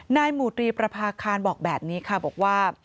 หมู่ตรีประพาคารบอกแบบนี้ค่ะบอกว่า